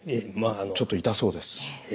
ちょっと痛そうです。